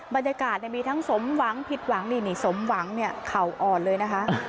บรรยากาศมีทั้งสมหวังผิดหวังสมหวังข่าวอ่อนเลยนะคะ